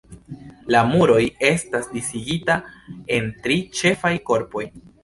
La muroj estas disigita en tri ĉefaj korpoj.